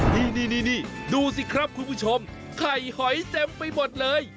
นี่ดูสิครับคุณผู้ชมไข่หอยเต็มไปหมดเลย